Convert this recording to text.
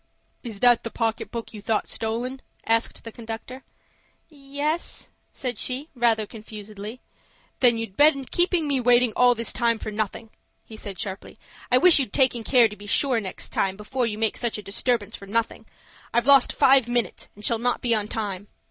"Is that the pocket book you thought stolen?" asked the conductor. "Yes," said she, rather confusedly. "Then you've been keeping me waiting all this time for nothing," he said, sharply. "I wish you'd take care to be sure next time before you make such a disturbance for nothing. I've lost five minutes, and shall not be on time."